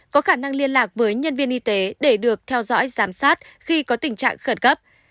có khả năng liên lạc với nhân viên y tế để được theo dõi giám sát khi có tình trạng khẩn cấp